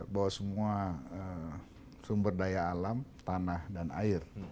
bahwa semua sumber daya alam tanah dan air